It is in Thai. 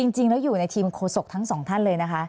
จริงแล้วอยู่ในทีมโฆษกทั้งสองท่านเลยนะคะ